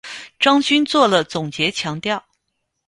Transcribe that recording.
张军作了总结强调